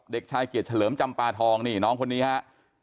เด็กชายเกียรติเฉลิมจำปาทองนี่น้องคนนี้ฮะ